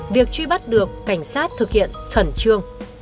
việc truy bắt được cảnh sát thực hiện khẩn trương